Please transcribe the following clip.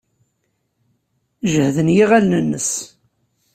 Jehden yiɣallen-nnes.